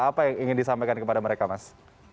apa yang ingin disampaikan kepada mereka mas